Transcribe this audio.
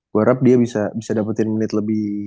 gue harap dia bisa dapetin menit lebih